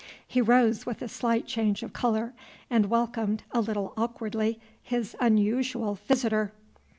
He rose with a slight change of color, and welcomed, a little awkwardly, his unusual visitor.